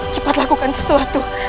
cepat lakukan sesuatu